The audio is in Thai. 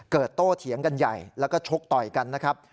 โต้เถียงกันใหญ่แล้วก็ชกต่อยกันนะครับ